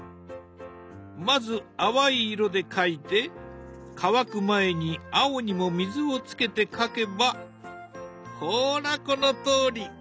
まず淡い色で描いて乾く前に青にも水をつけて描けばほらこのとおり。